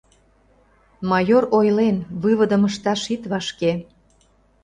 Майор ойлен: выводым ышташ ит вашке...